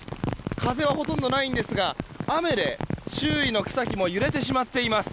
風はほとんどないんですが雨で周囲の草木も揺れてしまっています。